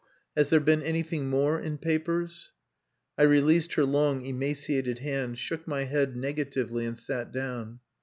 "Has there been anything more in papers?" I released her long emaciated hand, shook my head negatively, and sat down.